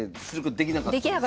できなかったです。